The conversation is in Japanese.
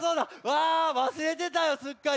わあわすれてたよすっかり。